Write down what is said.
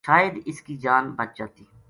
شاید اس کی جان بچ جاتی